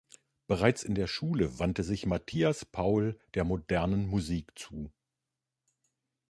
Bereits in der Schule wandte sich Matthias Paul der modernen Musik zu.